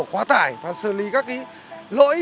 quá tải và xử lý các lỗi